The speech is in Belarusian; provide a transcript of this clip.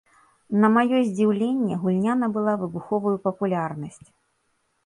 На маё здзіўленне, гульня набыла выбуховую папулярнасць.